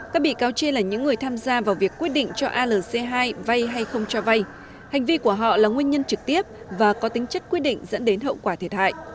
các bị cáo trên là những người tham gia vào việc quyết định cho alc hai vay hay không cho vay hành vi của họ là nguyên nhân trực tiếp và có tính chất quyết định dẫn đến hậu quả thiệt hại